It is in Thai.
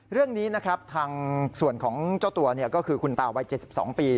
เรื่องนี้นะครับทางส่วนของเจ้าตัวเนี่ยก็คือคุณตาวัยเจ็ดสิบสองปี